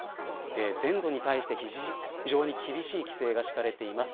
全土に対して非常に厳しい規制が敷かれています。